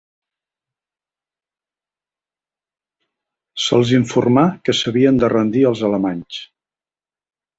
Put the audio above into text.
Se'ls informà que s'havien de rendir als alemanys.